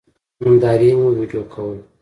نندارې مو وېډيو کوله.